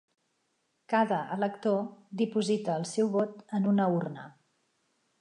Cada elector diposita el seu vot en una urna